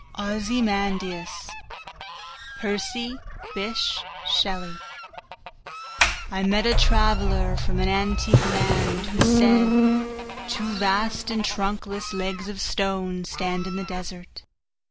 Ozymandias of Egypt I MET a traveller from an antique landWho said: Two vast and trunkless legs of stoneStand in the desert.